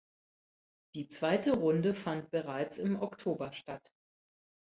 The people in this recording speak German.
Die zweite Runde fand bereits im Oktober statt.